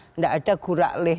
tidak ada guraleh